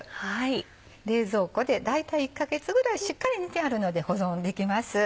冷蔵庫で大体１か月ぐらいしっかり煮てあるので保存できます。